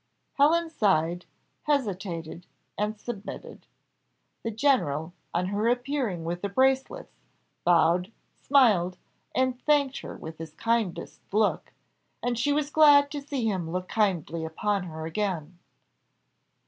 Helen sighed, hesitated, and submitted. The general, on her appearing with the bracelets, bowed, smiled, and thanked her with his kindest look; and she was glad to see him look kindly upon her again.